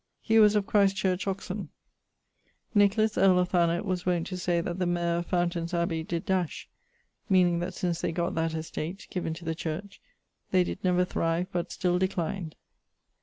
He was of Christ Church, Oxon[CJ]. Nicholas, earl of Thanet, was wont to say that the mare of Fountaines abbey did dash, meaning that since they gott that estate (given to the church) they did never thrive but still declined.